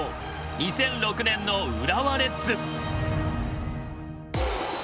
２００６年の浦和レッズ。